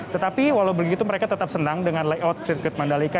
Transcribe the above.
tetapi walau begitu mereka tetap senang dengan layout sirkuit mandalika